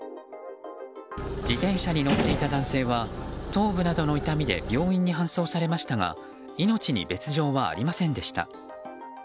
自転車に乗っていた男性は頭部などの痛みで病院に搬送されましたが命に別条はありませんでした。